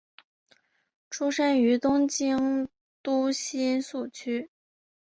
出身于东京都新宿区。